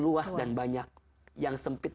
luas dan banyak yang sempit